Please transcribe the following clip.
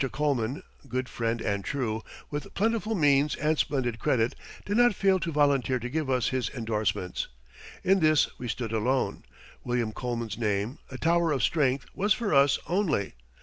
Coleman, good friend and true, with plentiful means and splendid credit, did not fail to volunteer to give us his endorsements. In this we stood alone; William Coleman's name, a tower of strength, was for us only.